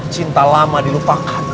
cinta lama dilupakan